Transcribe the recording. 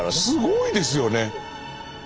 すごいですよね。